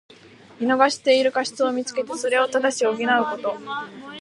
見逃している過失をみつけて、それを正し補うこと。